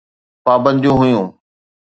پابنديون هيون.